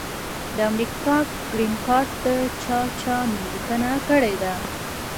د امریکا ګرین کارټ ته چا چا نوملیکنه کړي ده؟